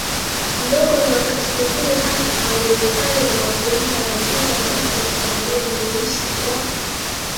ndogo na wakati mwingine hata hauwezekani na wavulana lazima wabaki katika nguo nyeusi kwa